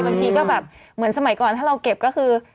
บางทีก็แบบเหมือนสมัยก่อนถ้าเราเก็บก็คือ